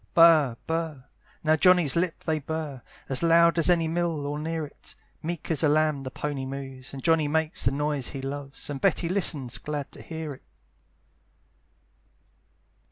Burr, burr now Johnny's lips they burr, As loud as any mill, or near it, Meek as a lamb the pony moves, And Johnny makes the noise he loves, And Betty listens, glad to hear it.